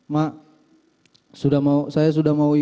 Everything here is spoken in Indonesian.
mak saya sudah mau